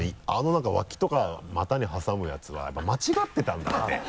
なんか脇とか股に挟むやつはやっぱ間違ってたんだって。